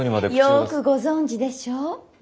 よくご存じでしょ？